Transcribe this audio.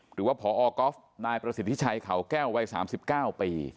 หรือว่าพอก๊อฟนายประสิทธิชัยเขาแก้ววัย๓๙ปี